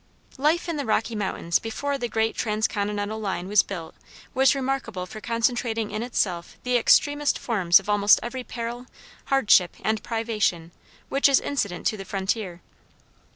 Life in the Rocky Mountains before the great transcontinental line was built was remarkable for concentrating in itself the extremest forms of almost every peril, hardship, and privation which is incident to the frontier.